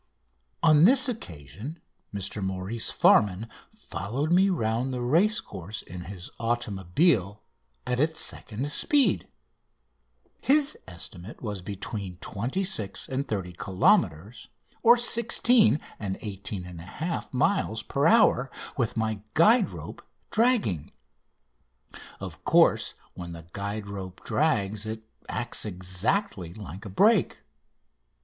On this occasion Mr Maurice Farman followed me round the racecourse in his automobile at its second speed. His estimate was between 26 and 30 kilometres (16 and 18 1/2 miles) per hour with my guide rope dragging. Of course, when the guide rope drags it acts exactly like a brake.